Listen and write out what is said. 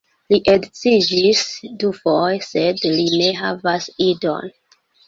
Li edziĝis dufoje, sed li ne havas idon.